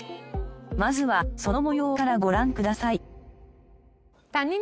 まずはその模様からご覧ください。